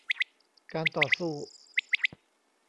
การต่อสู้